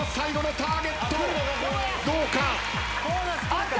あった！